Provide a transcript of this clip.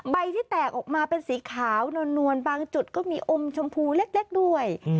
ที่แตกออกมาเป็นสีขาวนวลบางจุดก็มีอมชมพูเล็กด้วย